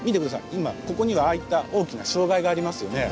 今ここにはああいった大きな障害がありますよね。